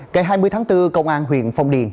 ngày hai mươi tháng bốn công an huyện phong điền